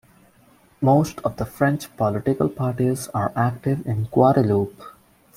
Most of the French political parties are active in Guadeloupe.